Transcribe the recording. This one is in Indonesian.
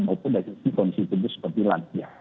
maupun dari institusi institusi seperti lantia